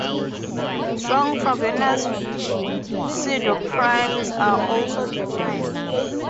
Strong Frobenius pseudoprimes are also defined.